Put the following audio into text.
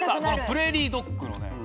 プレーリードッグのね